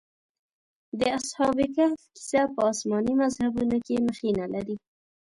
د اصحاب کهف کيسه په آسماني مذهبونو کې مخینه لري.